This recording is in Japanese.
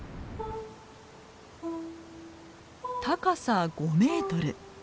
高さ５メートル。